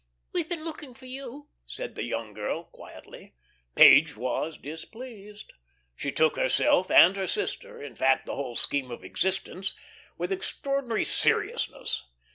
"We've been looking for you," said the young girl quietly. Page was displeased. She took herself and her sister in fact, the whole scheme of existence with extraordinary seriousness.